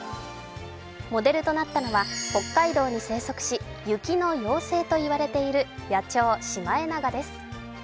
モデルとなったのは北海道に生息し雪の妖精と言われている野鳥・シマエナガです。